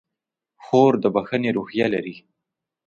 خور د بښنې روحیه لري.